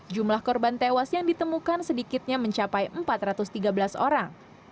jumlah korban tewas yang ditemukan sedikitnya mencapai empat ratus tiga belas orang